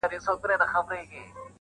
هیله پوره د مخلص هره سي چي-